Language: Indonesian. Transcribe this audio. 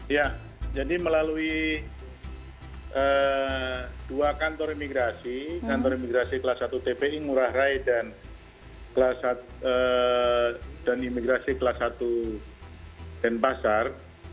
ya jadi melalui dua kantor imigrasi kantor imigrasi kelas satu tpi ngurah rai dan imigrasi kelas satu denpasar